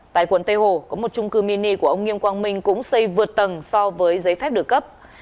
tại quận tây hồ có một trung cư mini của ông nghiêm quang minh cũng xây vượt tầng so với giấy phép được cấp